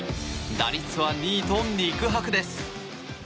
打率は２位と肉薄です。